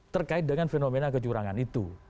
terkait dengan fenomena kecurangan itu